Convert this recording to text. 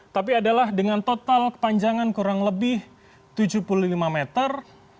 tapi adalah dengan total kepanjangan kurang lebih tujuh puluh lima meter